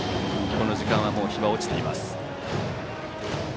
この時間はもう日は落ちています。